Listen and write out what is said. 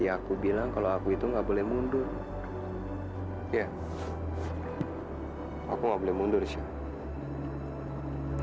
aku gak boleh mundur syah